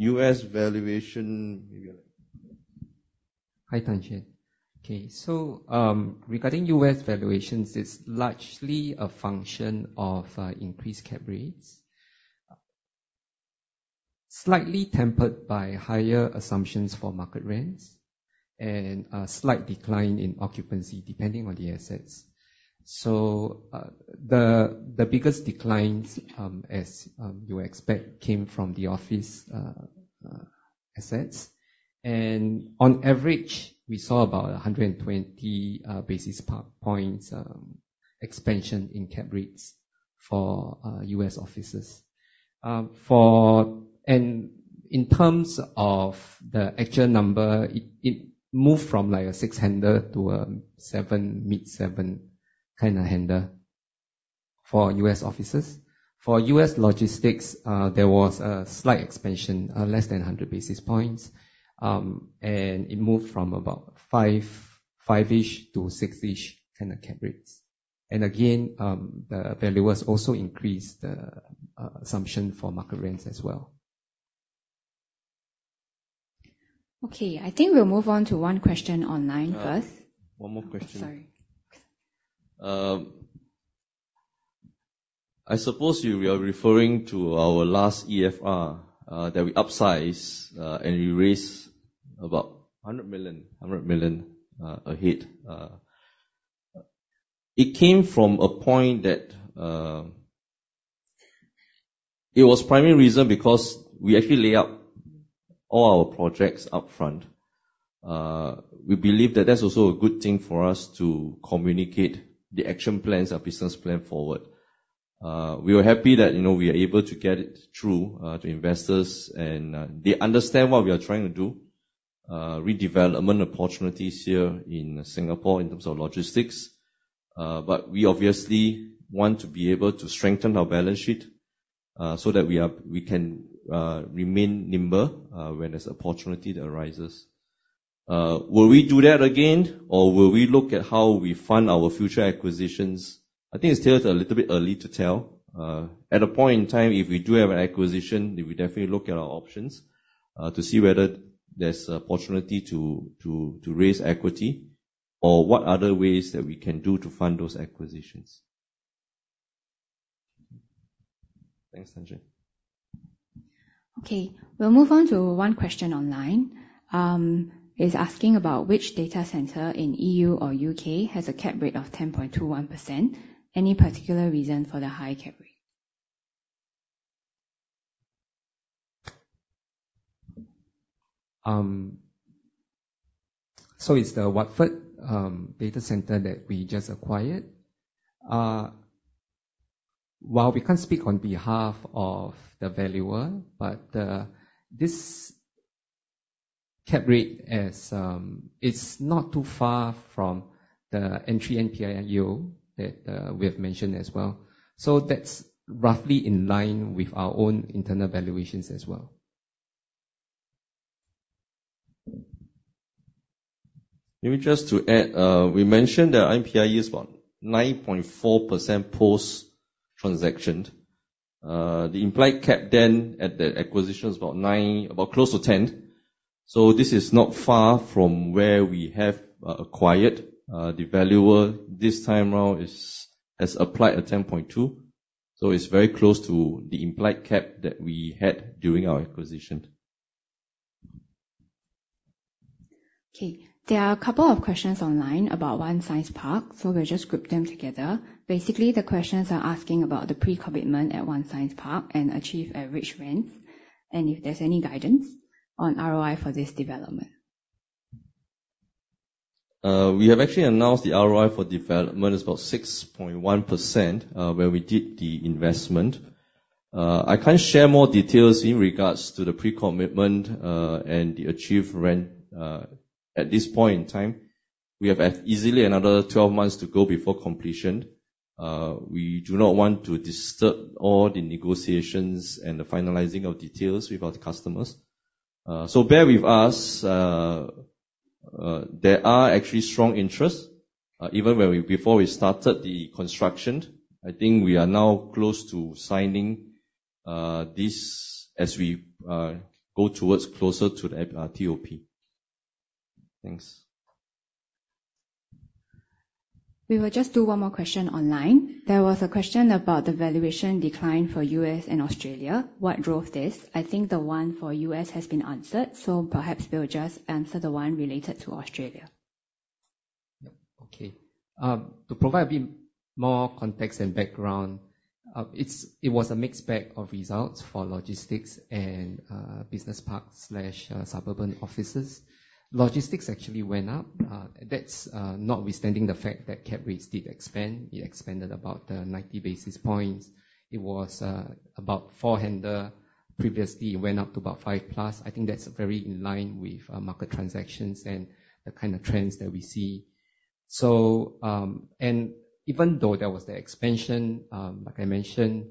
U.S. valuation. Maybe Hi, Xuan Tan. Regarding U.S. valuations, it's largely a function of increased cap rates, slightly tempered by higher assumptions for market rents and a slight decline in occupancy depending on the assets. The biggest declines, as you expect, came from the office assets. On average, we saw about 120 basis points expansion in cap rates for U.S. offices. In terms of the actual number, it moved from like a 600 to a 700, mid-700 kind of handle for U.S. offices. For U.S. logistics, there was a slight expansion of less than 100 basis points. It moved from about five-ish to six-ish kind of cap rates. Again, the valuers also increased the assumption for market rents as well. I think we'll move on to one question online first. One more question. Sorry. I suppose you are referring to our last EFR, that we upsized, and we raised about 100 million ahead. It came from a point that it was primary reason because we actually lay up all our projects up front. We believe that that's also a good thing for us to communicate the action plans, our business plan forward. We are happy that we are able to get it through to investors, and they understand what we are trying to do. Redevelopment opportunities here in Singapore in terms of logistics. We obviously want to be able to strengthen our balance sheet, so that we can remain nimble when there's opportunity that arises. Will we do that again? Will we look at how we fund our future acquisitions? I think it's still a little bit early to tell. At a point in time, if we do have an acquisition, we definitely look at our options to see whether there's opportunity to raise equity or what other ways that we can do to fund those acquisitions. Thanks, Xuan Tay. Okay. We'll move on to one question online. It's asking about which data center in EU or U.K. has a cap rate of 10.21%. Any particular reason for the high cap rate? It's the Watford data center that we just acquired. While we can't speak on behalf of the valuer, this cap rate is not too far from the entry NPI yield that we have mentioned as well. That's roughly in line with our own internal valuations as well. Maybe just to add, we mentioned the NPI is about 9.4% post-transaction. The implied cap at the acquisition is about close to 10. This is not far from where we have acquired. The valuer this time around has applied a 10.2. It is very close to the implied cap that we had during our acquisition. Okay. There are a couple of questions online about 1 Science Park, we will just group them together. Basically, the questions are asking about the pre-commitment at 1 Science Park and achieve average rents, and if there is any guidance on ROI for this development. We have actually announced the ROI for development. It is about 6.1% where we did the investment. I cannot share more details in regards to the pre-commitment, and the achieved rent at this point in time. We have easily another 12 months to go before completion. We do not want to disturb all the negotiations and the finalizing of details with our customers. Bear with us. There are actually strong interest, even before we started the construction. I think we are now close to signing this as we go towards closer to the TOP. Thanks. We will just do one more question online. There was a question about the valuation decline for U.S. and Australia. What drove this? I think the one for U.S. has been answered, perhaps we will just answer the one related to Australia. Yep. Okay. To provide a bit more context and background, it was a mixed bag of results for logistics and business park/suburban offices. Logistics actually went up. That is notwithstanding the fact that cap rates did expand. It expanded about 90 basis points. It was about four handle previously, went up to about five plus. I think that is very in line with market transactions and the kind of trends that we see. Even though there was the expansion, like I mentioned,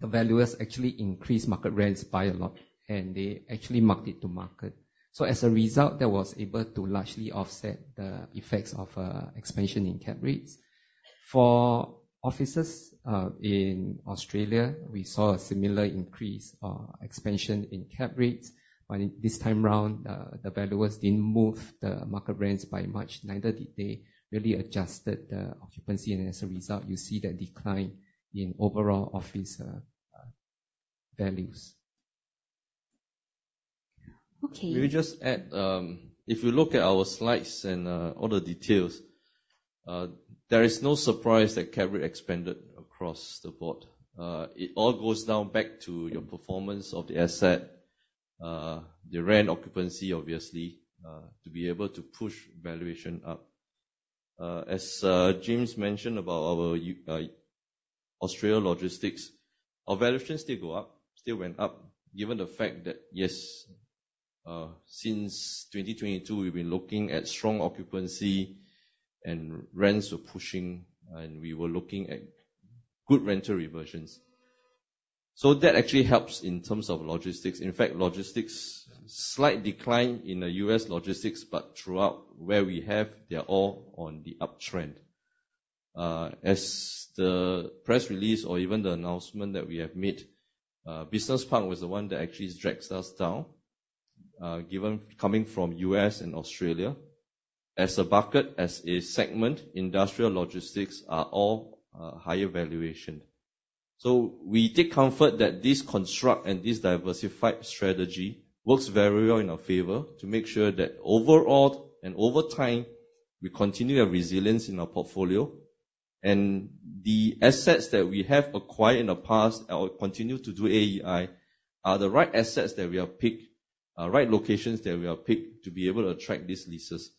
the valuers actually increased market rents by a lot, and they actually marked it to market. As a result, that was able to largely offset the effects of expansion in cap rates. For offices, in Australia, we saw a similar increase or expansion in cap rates. This time around, the valuers didn't move the market rents by much. Neither did they really adjusted the occupancy. As a result, you see that decline in overall office values. Okay. Let me just add, if you look at our slides and all the details, there is no surprise that cap rate expanded across the board. It all goes down back to your performance of the asset. The rent occupancy, obviously, to be able to push valuation up. As James mentioned about our Australia logistics, our valuations still went up, given the fact that, yes, since 2022, we've been looking at strong occupancy and rents were pushing, and we were looking at good rental reversions. That actually helps in terms of logistics. In fact, logistics, slight decline in the U.S. logistics, but throughout where we have, they're all on the uptrend. As the press release or even the announcement that we have made, business park was the one that actually drags us down, given coming from U.S. and Australia. As a bucket, as a segment, industrial logistics are all higher valuation. We take comfort that this construct and this diversified strategy works very well in our favor to make sure that overall and over time, we continue our resilience in our portfolio. The assets that we have acquired in the past or continue to do AEI are the right assets that we have picked, right locations that we have picked to be able to attract these leases.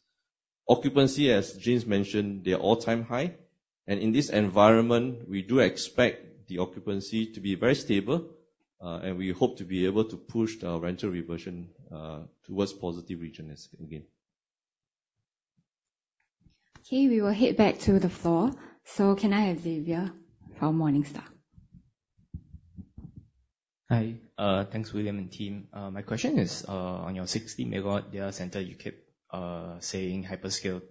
Occupancy, as James mentioned, they are all-time high, and in this environment, we do expect the occupancy to be very stable, and we hope to be able to push the rental reversion towards positive region again. Okay. We will head back to the floor. Can I have Xavier from Morningstar? Hi. Thanks, William and team. My question is on your 60-megawatt data center. You keep saying hyperscale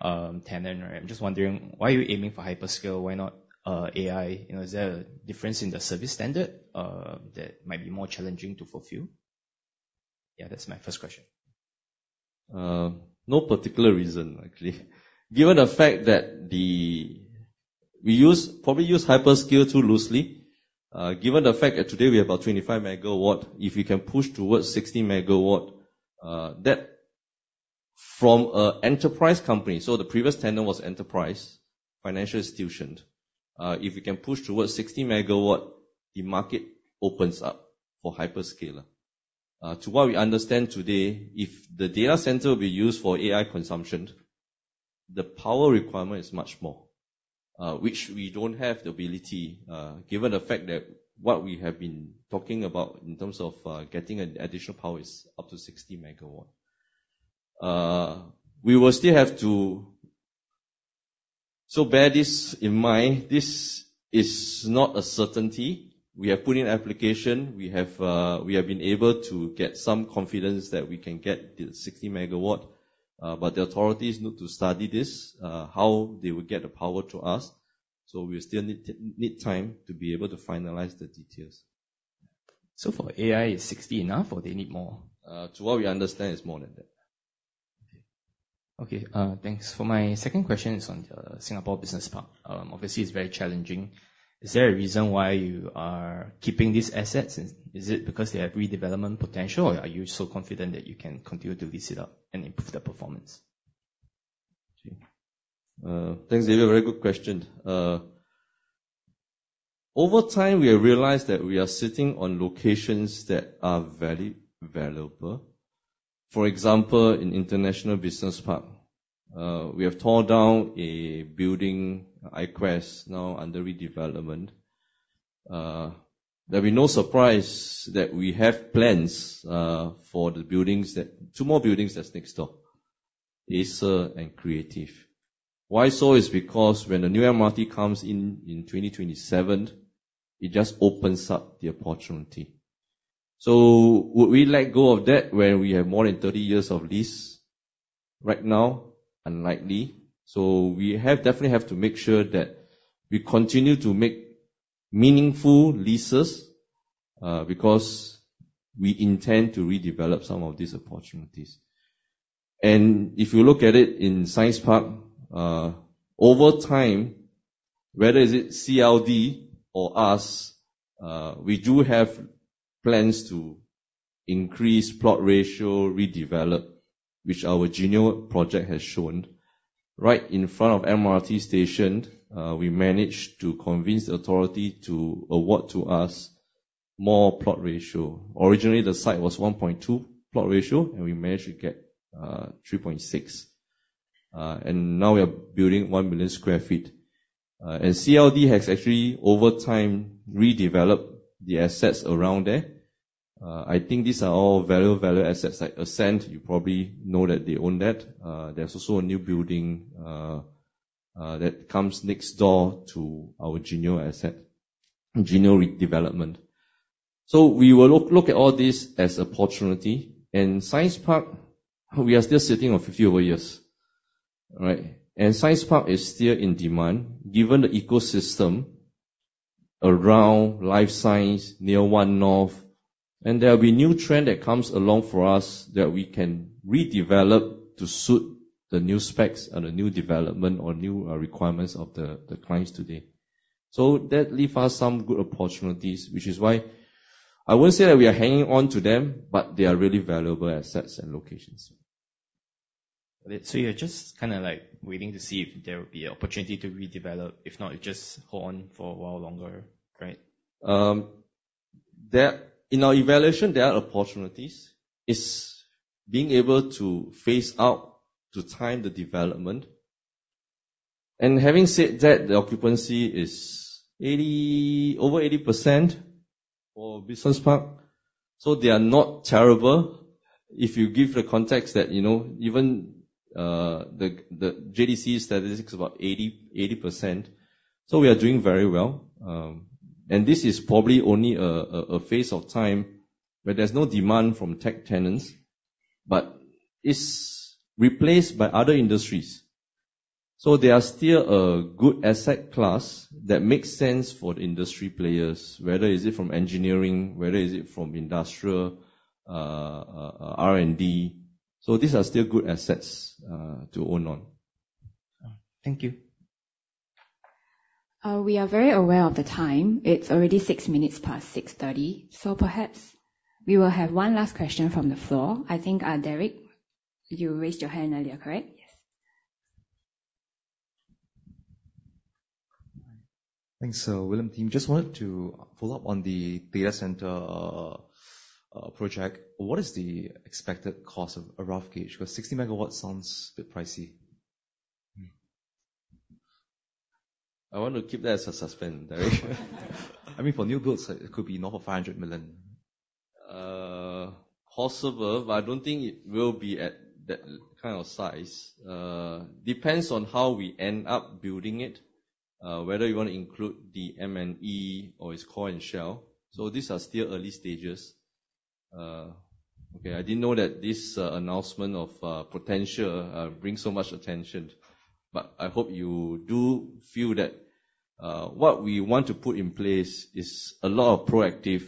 tenant. I'm just wondering, why are you aiming for hyperscale? Why not AI? Is there a difference in the service standard that might be more challenging to fulfill? Yeah, that's my first question. No particular reason, actually. Given the fact that we probably use hyperscale too loosely. Given the fact that today we have about 25 megawatt, if we can push towards 60 megawatt, that from an enterprise company. The previous tenant was enterprise, financial institution. If we can push towards 60 megawatt, the market opens up for hyperscaler. To what we understand today, if the data center will be used for AI consumption, the power requirement is much more, which we don't have the ability, given the fact that what we have been talking about in terms of getting additional power is up to 60 megawatt. Bear this in mind. This is not a certainty. We have put in application. We have been able to get some confidence that we can get the 60 megawatt, but the authorities need to study this, how they will get the power to us. We still need time to be able to finalize the details. For AI, is 60 enough, or they need more? To what we understand, it's more than that. Okay. Thanks. For my second question is on the Singapore business park. Obviously, it's very challenging. Is there a reason why you are keeping these assets? Is it because they have redevelopment potential, or are you so confident that you can continue to lease it up and improve their performance? Thanks, Xavier. Very good question. Over time, we have realized that we are sitting on locations that are very valuable. For example, in International Business Park, we have torn down a building, iQuest, now under redevelopment. There'll be no surprise that we have plans for two more buildings that's next door, Acer and Creative. Why so is because when the new MRT comes in in 2027, it just opens up the opportunity. Would we let go of that where we have more than 30 years of lease right now? Unlikely. We definitely have to make sure that we continue to make meaningful leases because we intend to redevelop some of these opportunities. If you look at it in Science Park, over time, whether is it CLI or us, we do have plans to increase plot ratio, redevelop, which our Geneo project has shown. Right in front of MRT station, we managed to convince the authority to award to us more plot ratio. Originally, the site was 1.2 plot ratio, we managed to get 3.6. Now we are building 1 million sq ft. CLD has actually, over time, redeveloped the assets around there. I think these are all very valuable assets, like Ascendas, you probably know that they own that. There is also a new building that comes next door to our Geneo asset, Geneo redevelopment. We will look at all this as opportunity. Science Park, we are still sitting on 50 over years. Science Park is still in demand, given the ecosystem around life science near One-North. There will be new trend that comes along for us that we can redevelop to suit the new specs and the new development or new requirements of the clients today. That leave us some good opportunities, which is why I won't say that we are hanging on to them, they are really valuable assets and locations. You're just waiting to see if there will be an opportunity to redevelop. If not, you just hold on for a while longer, right? In our evaluation, there are opportunities. It's being able to phase out to time the development. Having said that, the occupancy is over 80% for business park. They are not terrible. If you give the context that even the JTC statistics is about 80%. We are doing very well. This is probably only a phase of time where there's no demand from tech tenants. It's replaced by other industries. They are still a good asset class that makes sense for the industry players, whether it is from engineering, whether it is from industrial R&D. These are still good assets to own. Thank you. We are very aware of the time. It is already 6 minutes past 6:30. Perhaps we will have one last question from the floor. I think, Derek, you raised your hand earlier, correct? Yes. Thanks. William team, just wanted to follow up on the data center project. What is the expected cost of a rough gauge? Because 60 MW sounds a bit pricey. I want to keep that as a suspense, Derek. I mean, for new builds, it could be north of 500 million. Possible, but I don't think it will be at that kind of size. Depends on how we end up building it, whether you want to include the M&E or it is core and shell. These are still early stages. Okay. I didn't know that this announcement of potential brings so much attention. I hope you do feel that what we want to put in place is a lot of proactive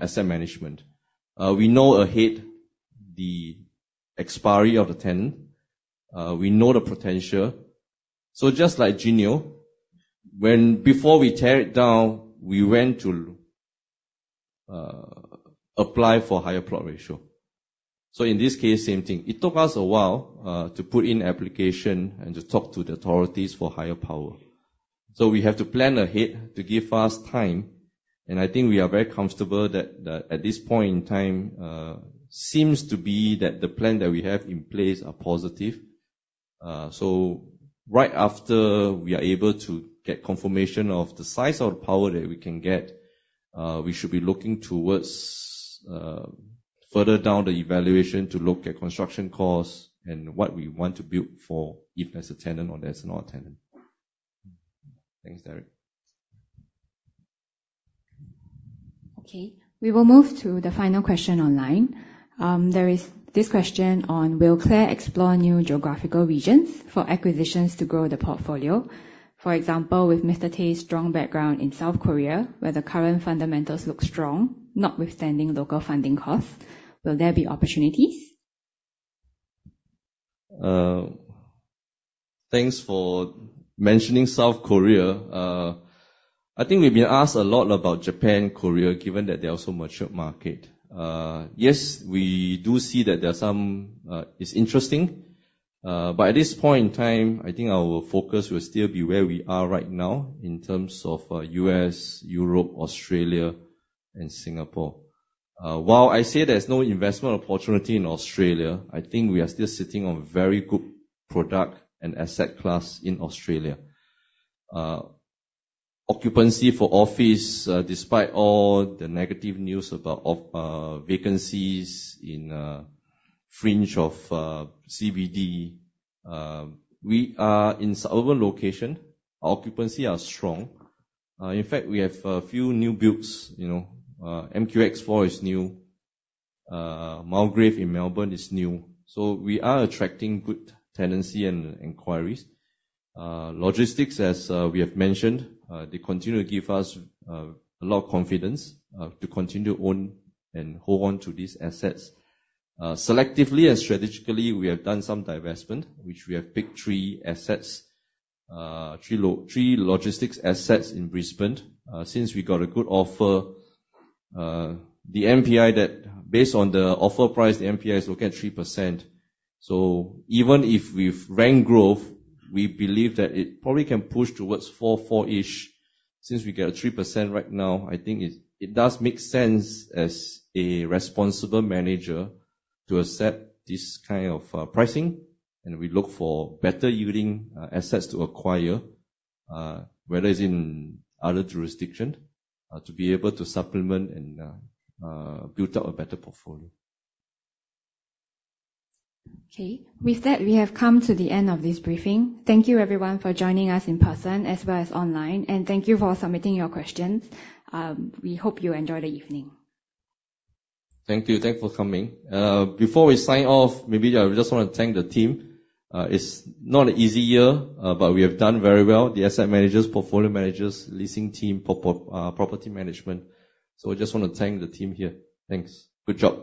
asset management. We know ahead the expiry of the tenant. We know the potential. Just like Geneo, before we tear it down, we went to apply for higher plot ratio. In this case, same thing. It took us a while to put in application and to talk to the authorities for higher power. We have to plan ahead to give us time, I think we are very comfortable that at this point in time, seems to be that the plan that we have in place are positive. Right after we are able to get confirmation of the size of power that we can get, we should be looking towards further down the evaluation to look at construction costs and what we want to build for if there's a tenant or there's not a tenant. Thanks, Derek. Okay. We will move to the final question online. There is this question on will CLAR explore new geographical regions for acquisitions to grow the portfolio. For example, with Mr. Tay's strong background in South Korea, where the current fundamentals look strong, notwithstanding local funding costs, will there be opportunities? Thanks for mentioning South Korea. I think we've been asked a lot about Japan, Korea, given that they're also mature market. Yes, we do see that it's interesting. At this point in time, I think our focus will still be where we are right now in terms of U.S., Europe, Australia, and Singapore. While I say there's no investment opportunity in Australia, I think we are still sitting on very good product and asset class in Australia. Occupancy for office, despite all the negative news about vacancies in fringe of CBD. We are in several location. Our occupancy are strong. In fact, we have a few new builds. MQX Four is new. Mulgrave in Melbourne is new. We are attracting good tenancy and inquiries. Logistics, as we have mentioned, they continue to give us a lot of confidence to continue own and hold on to these assets. Selectively and strategically, we have done some divestment, which we have picked three logistics assets in Brisbane. Since we got a good offer. Based on the offer price, the NPI is looking at 3%. Even if we've rent growth, we believe that it probably can push towards four-ish. Since we get a 3% right now, I think it does make sense as a responsible manager to accept this kind of pricing, we look for better yielding assets to acquire, whether it's in other jurisdiction, to be able to supplement and build up a better portfolio. With that, we have come to the end of this briefing. Thank you, everyone, for joining us in person as well as online. Thank you for submitting your questions. We hope you enjoy the evening. Thank you. Thanks for coming. Before we sign off, maybe I just want to thank the team. It's not an easy year, we have done very well. The asset managers, portfolio managers, leasing team, property management. I just want to thank the team here. Thanks. Good job.